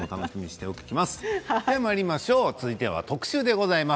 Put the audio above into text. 続いては特集でございます。